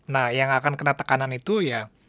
nah yang akan kena tekanan itu ya